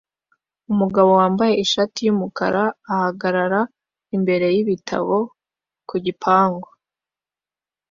Umugabo wambaye ishati yumukara ahagarara imbere yibitabo ku gipangu